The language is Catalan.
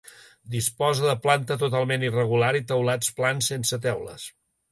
Disposa de planta totalment irregular i teulats plans sense teules.